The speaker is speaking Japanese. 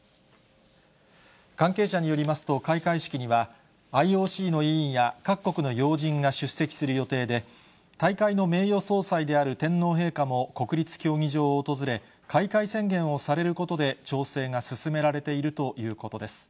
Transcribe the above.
関係者によりますと、開会式には、ＩＯＣの委員や各国の要人が出席する予定で、大会の名誉総裁である天皇陛下も国立競技場を訪れ、開会宣言をされることで調整が進められているということです。